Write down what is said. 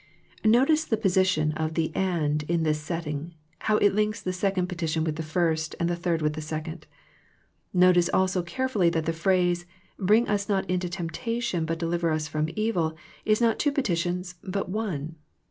Notice the position of the " and " in this setting, how it links the second petition with the first, and the third with the second. Notice also carefully that the phrase " Bring us not into temptation, but deliver us from evil," is not two petitions but one.